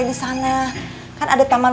disana kan ada taman